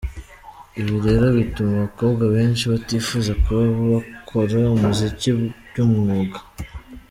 Ibi rero bituma abakobwa benshi batifuza kuba bakora umuziki by’umwuga.